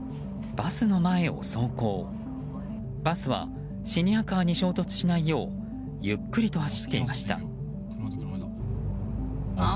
バスはシニアカーに衝突しないようゆっくりと走っていました。